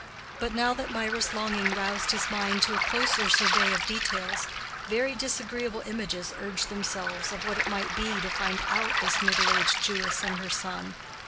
But now that Mirah's longing roused his mind to a closer survey of details, very disagreeable images urged themselves of what it might be to find out this middle aged Jewess and her son.